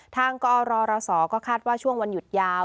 กอรศก็คาดว่าช่วงวันหยุดยาว